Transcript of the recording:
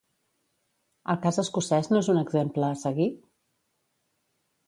El cas escocès no és un exemple a seguir?